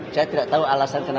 saya tidak tahu alasan kenapa